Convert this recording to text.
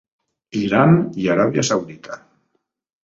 Iran i Aràbia Saudita.